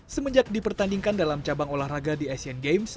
semenjak dipertandingkan dalam cabang olahraga di asian games